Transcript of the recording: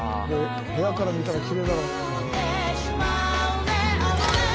部屋から見たらきれいだろうね。